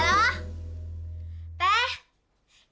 lo udah cinta sama tuh cewek